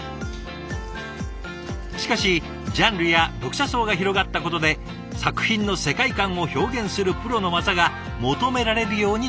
しかしジャンルや読者層が広がったことで作品の世界観を表現するプロの技が求められるようになったそう。